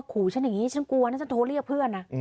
ขู่ฉันอย่างนี้ฉันกลัวนะฉันโทรเรียกเพื่อนนะ